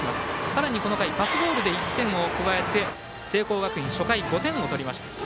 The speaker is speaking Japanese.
さらにこの回パスボールで１点を加えて聖光学院、初回５点を取りました。